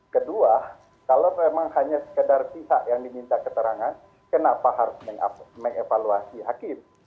kedua kalau memang hanya sekedar pihak yang diminta keterangan kenapa harus mengevaluasi hakim